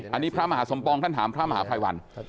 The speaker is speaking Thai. อันนี้พระมหาสมปองท่านถามพระมหาภัยวัน